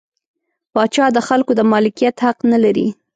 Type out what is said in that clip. پاچا د خلکو د مالکیت حق نلري.